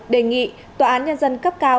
đề nghị tòa án nhân dân cấp cao